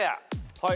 はい。